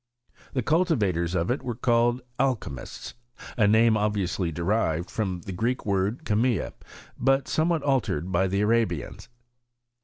The cultivators of it were called Alchymuttt a name obviously derived from the Greek word cAe mta, but somewhat altered by the Arabians.